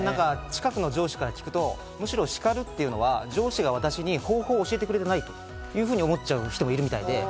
近くの上司から聞くと、叱るというのは上司が私に方法を教えてくれてないと思う人もいるそうで。